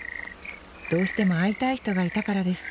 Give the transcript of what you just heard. どうしても会いたい人がいたからです